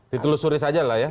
ditelusuri saja lah ya